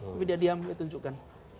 tapi dia diam dia tunjukkan